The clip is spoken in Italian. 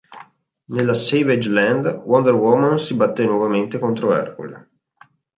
Nella Savage Land, Wonder Woman si batté nuovamente contro Ercole.